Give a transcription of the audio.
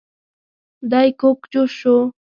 دی کوږ جوش شو.